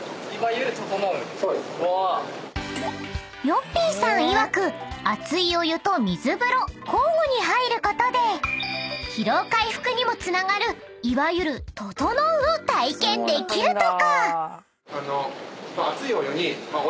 ［ヨッピーさんいわく熱いお湯と水風呂交互に入ることで疲労回復にもつながるいわゆるととのうを体験できるとか］